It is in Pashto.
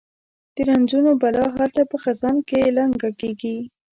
د رنځونو بلا هلته په خزان کې لنګه کیږي